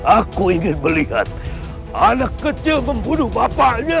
aku ingin melihat anak kecil membunuh bapaknya